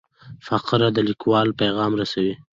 فقره د لیکوال پیغام رسوي.